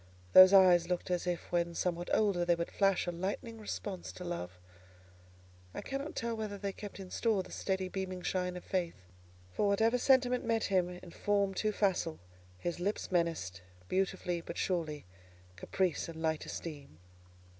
Those eyes looked as if when somewhat older they would flash a lightning response to love: I cannot tell whether they kept in store the steady beaming shine of faith. For whatever sentiment met him in form too facile, his lips menaced, beautifully but surely, caprice and light esteem.